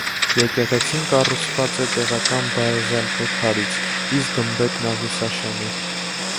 Եկեղեցին կառուցված է տեղական բազալտե քարից, իսկ գմբեթն աղյուսաշեն է։